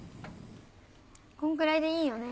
こんぐらいでいいよね？